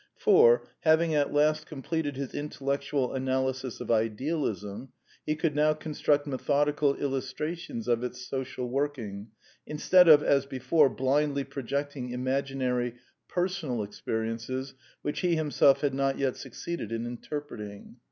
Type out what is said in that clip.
For, having at last completed 82 The Quintessence of Ibsenism his intellectual analysis of idealism, he could now construct methodical illustrations of its social working, instead of, as before, blindly projecting imaginary personal experiences which he himself had not yet succeeded in interpreting.